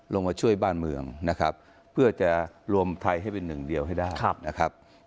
ลงมาช่วยบ้านการเมืองนะครับ